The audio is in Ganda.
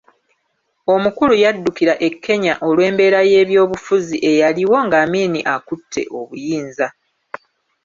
Omukulu yaddukira e Kenya olw’embeera y’ebyobufuzi eyaliwo nga Amin akutte obuyinza.